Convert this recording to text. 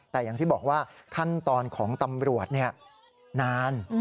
แต่อย่างที่บอกว่าขั้นตอนของตำรวจนาน